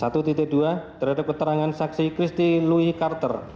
satu dua terhadap keterangan saksi christie louis carter